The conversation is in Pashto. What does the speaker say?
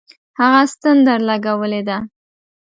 هغه ستن درلگولې ده.